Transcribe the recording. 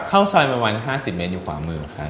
เข้าซอยมาวัน๕๐เมตรอยู่ขวามือค่ะ